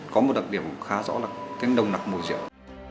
có một đặc điểm khá rõ là đông nặc mùi rượu